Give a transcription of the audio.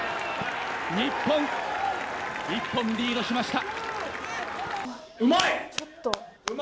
日本、１本リードしました。